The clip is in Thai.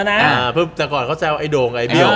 แต่ก่อนเขาแซวไอ้โด่งไอ้เบี้ยว